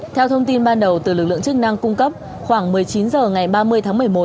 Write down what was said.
theo thông tin ban đầu từ lực lượng chức năng cung cấp khoảng một mươi chín h ngày ba mươi tháng một mươi một